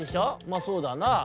「まあそうだなあ。」